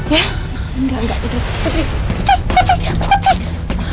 nanti sekemburu mereka ke sana